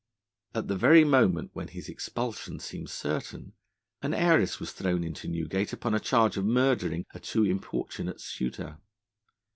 At the very moment when his expulsion seemed certain, an heiress was thrown into Newgate upon a charge of murdering a too importunate suitor.